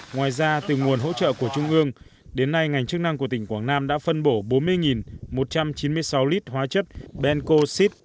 ngoài ra từ nguồn hỗ trợ của trung ương đến nay ngành chức năng của tỉnh quảng nam đã phân bổ bốn mươi một trăm chín mươi sáu lít hóa chất bencoxid